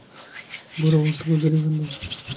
ڀرووقت گذري وندو